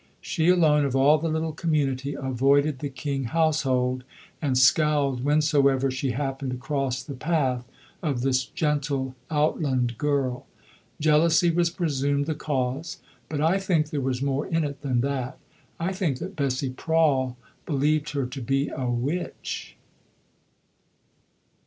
She alone of all the little community avoided the King household, and scowled whensoever she happened to cross the path of this gentle outland girl. Jealousy was presumed the cause; but I think there was more in it than that. I think that Bessie Prawle believed her to be a witch.